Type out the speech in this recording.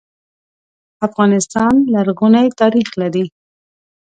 افغانستان لرغونی ناریخ لري.